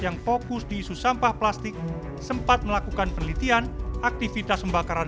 yang fokus di isu sampah plastik sempat melakukan penelitian aktivitas pembakaran